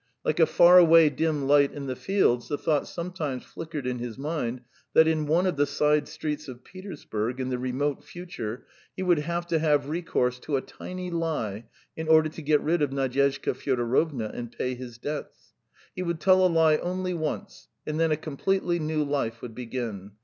Like a far away dim light in the fields, the thought sometimes flickered in his mind that in one of the side streets of Petersburg, in the remote future, he would have to have recourse to a tiny lie in order to get rid of Nadyezhda Fyodorovna and pay his debts; he would tell a lie only once, and then a completely new life would begin.